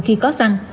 khi có xăng